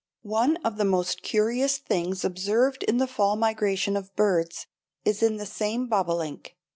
One of the most curious things observed in the fall migration of birds is in this same bobolink.